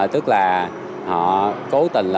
tức là họ cố tình